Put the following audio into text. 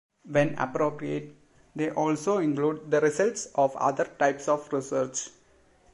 When appropriate, they also include the results of other types of research.